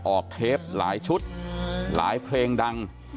เทปหลายชุดหลายเพลงดัง